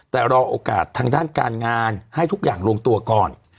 แต่รอโอกาสทางด้านการงานให้ทุกอย่างลงตัวก่อน